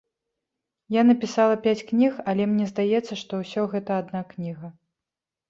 Я напісала пяць кніг, але мне здаецца, што ўсё гэта адна кніга.